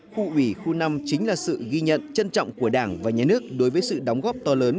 khu ủy khu năm chính là sự ghi nhận trân trọng của đảng và nhà nước đối với sự đóng góp to lớn